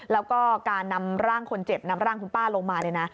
แล้วก็การนำร่างคนเจ็บนำร่างคุณป้าลงมาเนี่ยนะ